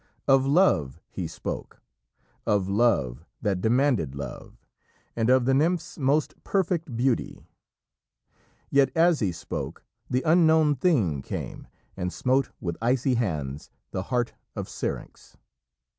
Of love he spoke, of love that demanded love, and of the nymph's most perfect beauty. Yet as he spoke, the unknown thing came and smote with icy hands the heart of Syrinx.